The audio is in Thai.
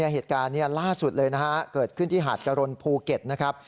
เหตุการณ์นี้ล่าสุดเลยนะฮะเกิดขึ้นที่หาดกะรนภูเก็ตนะครับ